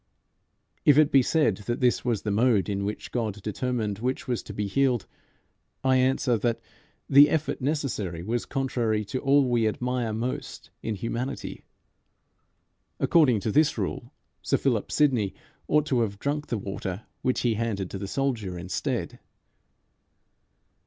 If it be said that this was the mode in which God determined which was to be healed, I answer that the effort necessary was contrary to all we admire most in humanity. According to this rule, Sir Philip Sidney ought to have drunk the water which he handed to the soldier instead.